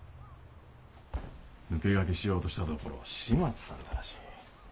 抜け駆けしようとしたところを始末されたらしい。